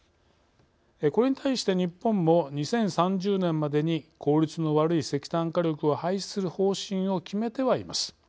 これに対して日本も２０３０年までに効率の悪い石炭火力を廃止する方針を決めてはいます。